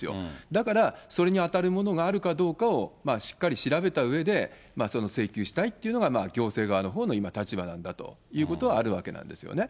だから、それに当たるものがあるかどうかをしっかり調べたうえで、その請求したいっていうのが行政側のほうの今、立場なんだということがあるわけなんですよね。